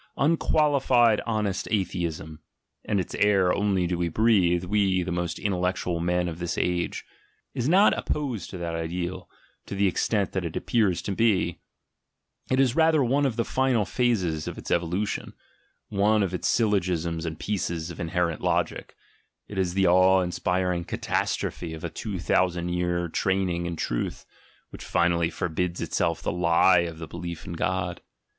Unqualified honest atheism (and its air only do we breathe, we, the most intellectual men of this age) is not opposed to that ideal, to the extent that it appears to be; it is rather one of the final phases of its evolution, one of its syllogisms and pieces of inher ent logic — it is the awe inspiring catastrophe of a two thousand year training in truth, which finally forbids itself the lie of the belief in God.